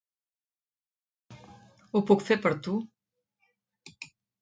Ho puc fer per tu?